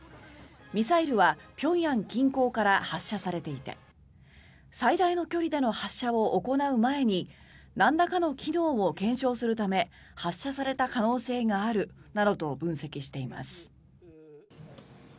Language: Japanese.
ミサイルは平壌近郊から発射されていて最大の距離での発射を行う前になんらかの機能を検証するため発射された可能性があるなどと分析しています。